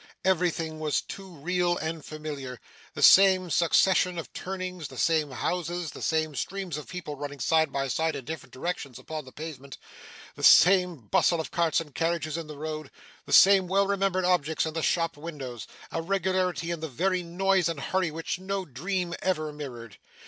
Everything was too real and familiar: the same succession of turnings, the same houses, the same streams of people running side by side in different directions upon the pavement, the same bustle of carts and carriages in the road, the same well remembered objects in the shop windows: a regularity in the very noise and hurry which no dream ever mirrored.